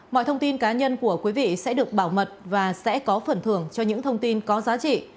mọi thông tin cá nhân của quý vị sẽ được bảo mật và sẽ có phần thưởng cho những thông tin có giá trị